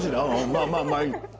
まあまあまあいい。